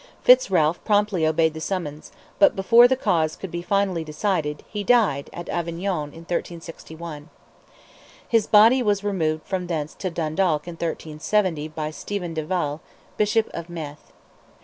Fitz Ralph promptly obeyed the summons, but before the cause could be finally decided he died at Avignon in 1361. His body was removed from thence to Dundalk in 1370 by Stephen de Valle, Bishop of Meath.